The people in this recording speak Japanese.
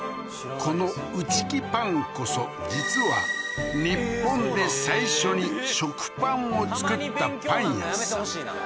このウチキパンこそ実は日本で最初に食パンを作ったパン屋さん